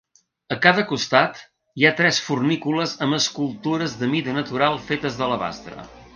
A cada costat hi ha tres fornícules amb escultures de mida natural fetes d'alabastre.